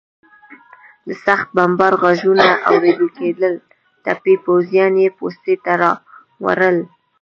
د سخت بمبار غږونه اورېدل کېدل، ټپي پوځیان یې پوستې ته راوړل.